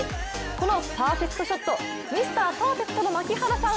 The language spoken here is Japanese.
このパーフェクトショットミスターパーフェクトの槙原さん